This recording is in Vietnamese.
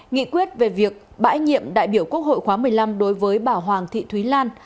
nghị quyết về việc bãi nhiệm đại biểu quốc hội khóa một mươi năm đối với bà hoàng thị thúy lan